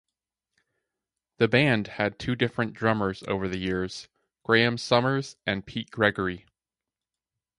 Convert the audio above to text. The band had two different drummers over the years, Graham Summers and Pete Gregory.